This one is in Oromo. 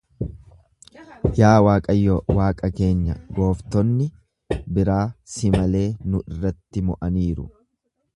Yaa Waaqayyo Waaqa keenya, gooftonni biraa si malee nu irratti mo'aniiru.